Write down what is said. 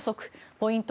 ポイント